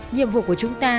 nhiệm vụ của chúng ta